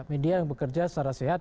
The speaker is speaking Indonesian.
media yang bekerja secara sehat